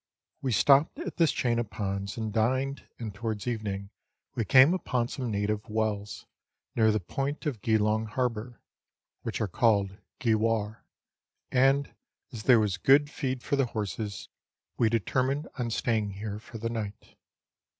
We stopped at this chain of ponds and dined, and towards evening we came upon some native wells, near the point of Geelong Harbour, which are called Geewar, and as there was good feed for the horses, we determined on staying here for the night.